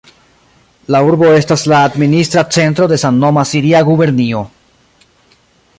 La urbo estas la administra centro de samnoma siria gubernio.